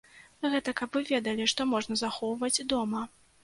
Гэта каб вы ведалі, што можна захоўваць дома.